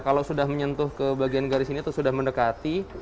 kalau sudah menyentuh ke bagian garis ini atau sudah mendekati